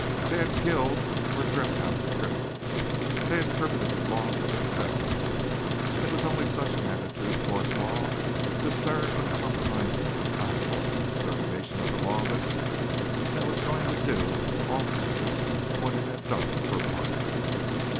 They had killed or driven out the criminals. They interpreted the law for themselves, and it was only such an attitude toward law the stern, uncompromising, implacable extermination of the lawless that was going to do for all Texas what it had done for part.